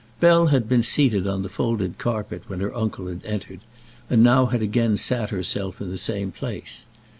Bell had been seated on the folded carpet when her uncle had entered, and now had again sat herself in the same place.